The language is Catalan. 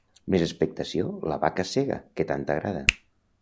Més expectació.– La vaca cega, que tant t'agrada.